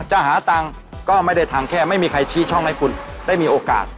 จะหาตังค์ก็ไม่ได้ทำแค่ไม่มีใครชี้ช่องให้คุณได้มีโอกาส